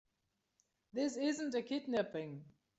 This isn't a kidnapping.